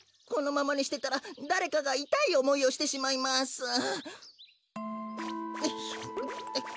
このままにしてたらだれかがいたいおもいをしてしまいます。